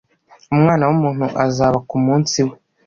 umwana w’umuntu azaba ku munsi we